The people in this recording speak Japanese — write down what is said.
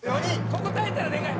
ここ耐えたらでかい。